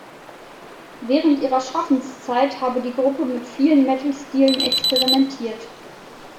Während ihrer Schaffenszeit habe die Gruppe mit vielen Metal-Stilen experimentiert.